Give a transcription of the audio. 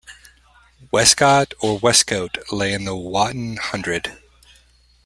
Westcott or Westcote lay in the Wotton Hundred.